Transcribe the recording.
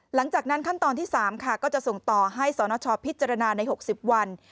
หลังจากนั้นขั้นตอนที่๓ค่ะก็จะส่งต่อให้สนชพิจารณาใน๖๐วัน